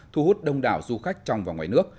thu hút đông đảo du khách trong và ngoài nước